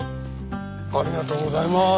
ありがとうございます。